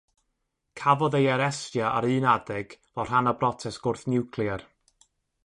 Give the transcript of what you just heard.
Cafodd ei arestio ar un adeg fel rhan o brotest gwrth-niwclear.